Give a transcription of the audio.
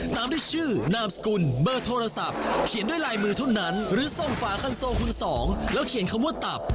ตามด้วยชื่อนามสกุลเบอร์โทรศัพท์เขียนด้วยลายมือเท่านั้นหรือส่งฝาคันโซคุณสองแล้วเขียนคำว่าตับ